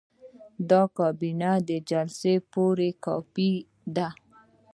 دا د کابینې د جلسې د راپور کاپي ده.